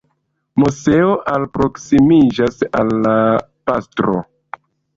Moseo alproksimiĝas al la pastro.